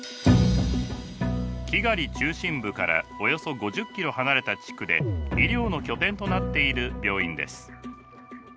キガリ中心部からおよそ５０キロ離れた地区で医療の拠点となっている病院です。